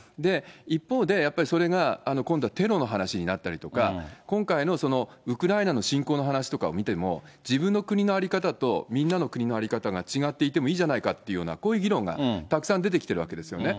一方で、やっぱりそれが今度はテロの話になったりとか、今回のウクライナの侵攻の話とかを見ても、自分の国の在り方とみんなの国の在り方が違っていてもいいじゃないかっていうような、こういう議論がたくさん出てきているわけですよね。